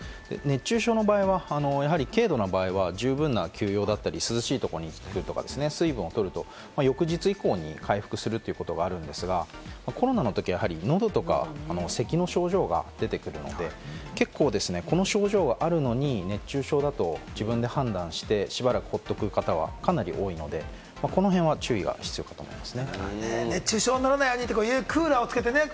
熱中症の場合は軽度の場合は十分な休養だったり涼しいところに行ったり水分をとると、翌日以降に回復することがあるんですが、コロナのときは喉とか咳の症状が出てくるので、結構、この症状があるのに熱中症だと自分で判断して、しばらく放っておく方がかなり多いので、この辺は注意が必要かと思います。